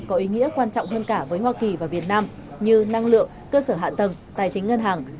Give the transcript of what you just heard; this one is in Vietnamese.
có ý nghĩa quan trọng hơn cả với hoa kỳ và việt nam như năng lượng cơ sở hạ tầng tài chính ngân hàng